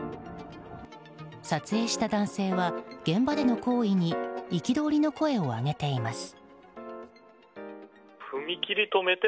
撮影した男性は、現場での行為に憤りの声を上げています。